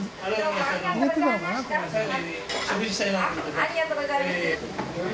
ありがとうございます。